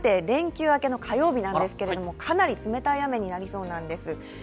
連休明けの火曜日なんですけれども、かなり冷たい雨になりそうなんです。